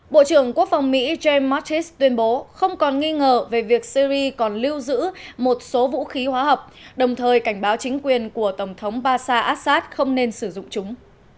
bộ trưởng quốc phòng mỹ james mattis tuyên bố không còn nghi ngờ về việc syri còn lưu giữ một số vũ khí hóa học đồng thời cảnh báo chính quyền của tổng thống basar assad không nên sử dụng chúng